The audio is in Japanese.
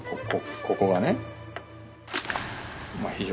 ここがね。